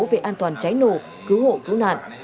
về an toàn cháy nổ cứu hộ cứu nạn